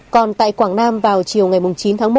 còn tại quảng nam vào chiều ngày chín tháng một